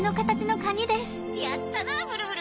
やったなブルブル！